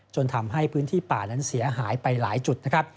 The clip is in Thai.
จนทำให้พื้นที่ป่านั้นเสียหายไปหลายจุดนะครับ